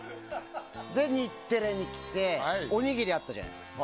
で、日テレに来ておにぎりあったじゃないですか。